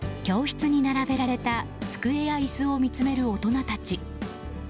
教室に並べられた机やいすを見つめる大人たち。